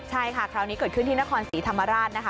ใช่ค่ะคราวนี้เกิดขึ้นที่นครศรีธรรมราชนะคะ